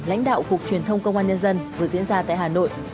lãnh đạo cục truyền thông công an nhân dân vừa diễn ra tại hà nội